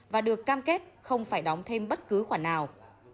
và được cam kết không phải đóng thêm bất cứ khoản nào